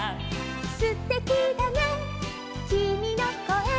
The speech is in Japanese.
「すてきだねきみのこえ」